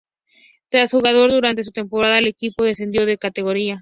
Tras jugar durante una temporada, el equipo descendió de categoría.